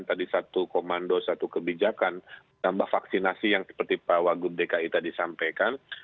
tadi satu komando satu kebijakan tambah vaksinasi yang seperti pak wagub dki tadi sampaikan